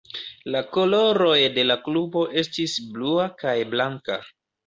La koloroj de la klubo estis blua kaj blanka.